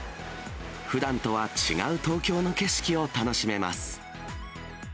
ふだんとは違う東京の景色を楽しめます。